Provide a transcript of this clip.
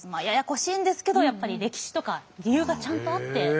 ややこしいんですけどやっぱり歴史とか理由がちゃんとあって。